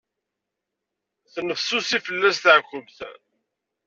Tettnefsusi fell-as tɛekkemt.